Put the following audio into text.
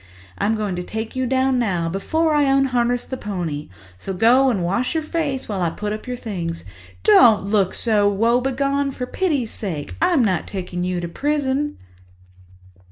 I'm going to take you down now, before I unharness the pony, so go and wash your face while I put up your things. Don't look so woebegone, for pity's sake! I'm not taking you to prison."